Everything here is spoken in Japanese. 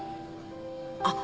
あっ。